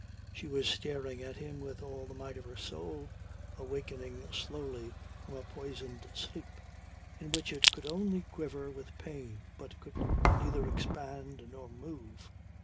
She was staring at him with all the might of her soul awakening slowly from a poisoned sleep, in which it could only quiver with pain but could neither expand nor move.